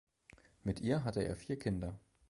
Mit ihr hatte er vier Kinder